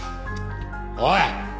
おい！